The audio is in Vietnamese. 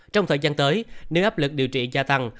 trong thời gian tới nếu áp lực điều trị gia tăng